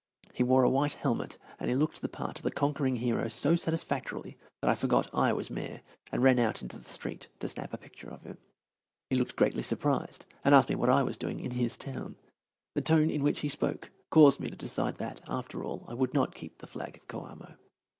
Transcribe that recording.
He wore a white helmet, and he looked the part of the conquering hero so satisfactorily that I forgot I was Mayor and ran out into the street to snap a picture of him. He looked greatly surprised and asked me what I was doing in his town. The tone in which he spoke caused me to decide that, after all, I would not keep the flag of Coamo.